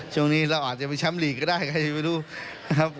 ช่วงนี้เราอาจจะไปช้ำลีกก็ได้ใครจะไปดูครับ